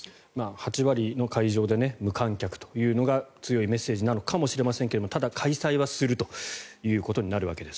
８割の会場で無観客というのが強いメッセージなのかもしれませんけれどもただ、開催はするということになるわけです。